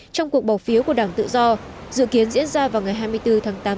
trong cuộc bỏ phiếu của đảng tự do dự kiến diễn ra vào ngày hai mươi bốn tháng tám